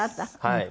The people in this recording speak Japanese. はい。